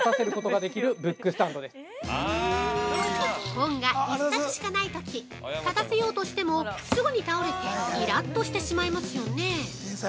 ◆本が１冊しかないとき立たせようとしてもすぐに倒れていらっとしてしまいますよね。